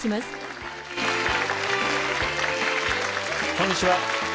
こんにちは